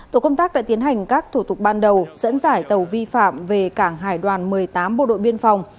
tổ công tác đã tiến hành các thủ tục ban đầu dẫn giải tàu vi phạm về cảng hải đoàn một mươi tám bộ đội biên phòng